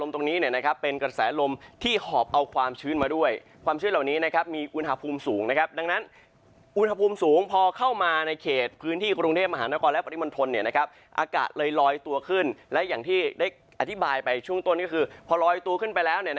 ตอนนี้ก็ไม่บายช่วงต้นก็คือพอลอยตู้ขึ้นไปแล้ว